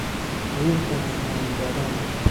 روح به مهمانی دادن